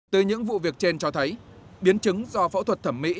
từ những vụ việc trên cho thấy biến chứng do phẫu thuật thẩm mỹ